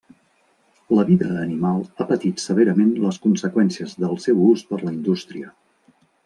La vida animal ha patit severament les conseqüències del seu ús per la indústria.